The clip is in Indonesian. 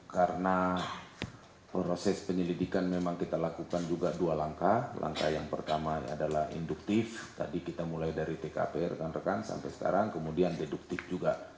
karena proses penyelidikan memang kita lakukan juga dua langkah langkah yang pertama adalah induktif tadi kita mulai dari tkp rekan rekan sampai sekarang kemudian deduktif juga